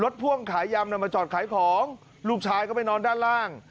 พ่วงขายยำมาจอดขายของลูกชายก็ไปนอนด้านล่าง